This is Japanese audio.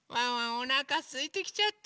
おなかすいてきちゃった。